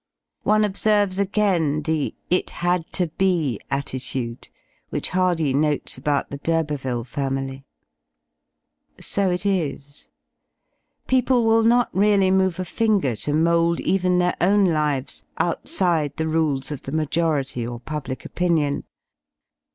One observes again the "It had to be!" attitude, which ^ Hardy notes about the D'Urberville family. So it is. People will not really move a finger to mould even their own lives outside the rules of the majority or public opinion.